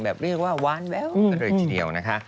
แบบเรียกว่าว่าหวานแแววเนื่องทีเดียวนะคะ